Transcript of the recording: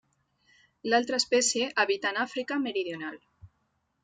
L'altra espècie habita en Àfrica meridional.